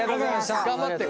頑張って！